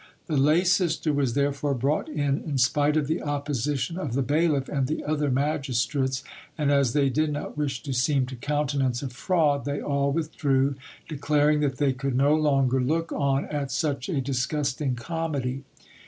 The lay sister was therefore brought in, in spite of the opposition of the bailiff and the other magistrates, and as they did not wish to seem to countenance a fraud, they all withdrew, declaring that they could no longer look on at such a disgusting comedy.